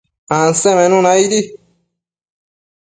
Ansemenuna aidi